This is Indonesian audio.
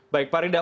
baik pak rida